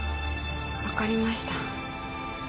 わかりました。